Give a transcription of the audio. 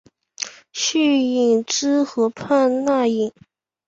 叙伊兹河畔讷伊。